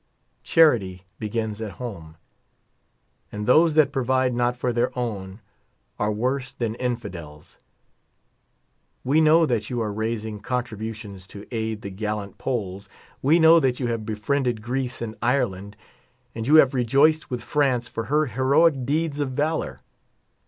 Charity begins at home, and those that provide not for their own, are worse than in fidels. We know that you are raising contributions to aid the gallant Poles ; we know that you have befriended Greece and Ireland ; and you have rejoiced with France for her heroic deeds of valor.